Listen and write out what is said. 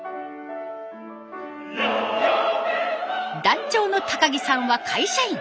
団長の木さんは会社員。